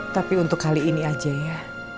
tapi untuk kali ini aja ya